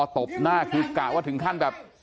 ตบหน้าคือกะว่าถึงขั้นแบบ